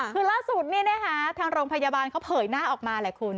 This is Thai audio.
คือล่าสุดทางโรงพยาบาลเขาเผยหน้าออกมาแหละคุณ